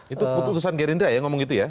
itu utusan gerindra yang ngomong itu ya